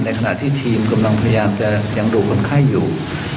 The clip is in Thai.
ในขณะที่ทีมกำลังพยายามอย่างรูขนไข้อยู่